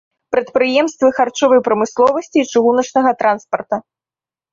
Прадпрыемствы харчовай прамысловасці і чыгуначнага транспарта.